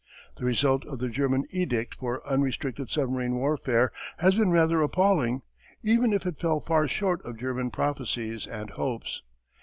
The result of the German edict for unrestricted submarine warfare has been rather appalling, even if it fell far short of German prophesies and hopes.